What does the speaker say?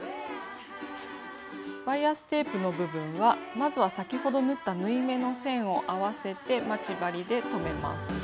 バイアステープの部分はまずは先ほど縫った縫い目の線を合わせて待ち針で留めます。